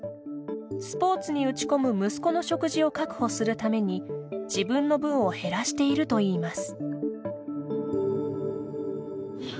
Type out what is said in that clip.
スポーツに打ち込む息子の食事を確保するために自分の分を減らしているといいます。